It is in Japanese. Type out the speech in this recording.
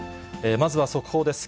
まずは速報です。